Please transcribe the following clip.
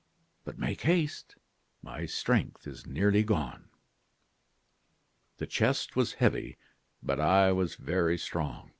But make haste; my strength is nearly gone.' "The chest was heavy, but I was very strong.